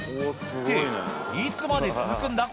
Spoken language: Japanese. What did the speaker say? っていつまで続くんだ？